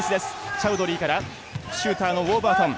チャウドリーからシューターのウォーバートン。